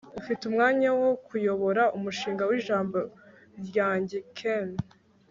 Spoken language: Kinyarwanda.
ufite umwanya wo kuyobora umushinga w'ijambo ryanjye, ken